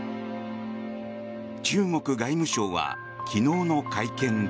中国外務省は昨日の会見で。